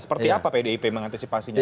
seperti apa pak ydip mengantisipasinya